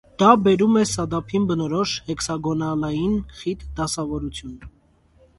Դա բերում է սադափին բնորոշ հեքսագոնալային խիտ դասավորություն։